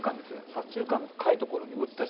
左中間の深いところに打った瞬間